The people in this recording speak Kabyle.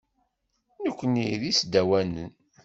Nukni d isdawanen.